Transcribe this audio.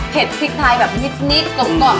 เผ็ดพริกไทยแบบนิดกลมกล่อม